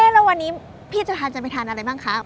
แล้ววันนี้พี่จะทานจะไปทานอะไรบ้างคะ